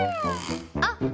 あっ！